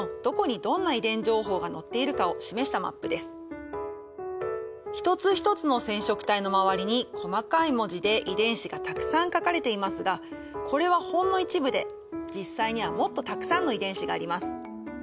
これは一つ一つの染色体の周りに細かい文字で遺伝子がたくさん書かれていますがこれはほんの一部で実際にはもっとたくさんの遺伝子があります。